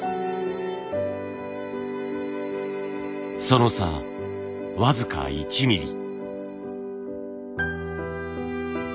その差僅か１ミリ。